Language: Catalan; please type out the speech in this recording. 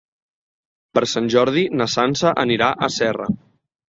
Per Sant Jordi na Sança anirà a Serra.